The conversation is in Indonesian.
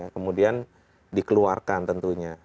kemudian dikeluarkan tentunya